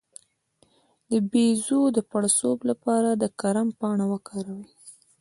د بیضو د پړسوب لپاره د کرم پاڼه وکاروئ